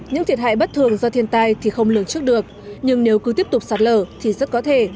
những thiệt hại bất thường do thiên tai thì không lường trước được nhưng nếu cứ tiếp tục sạt lở thì rất có thể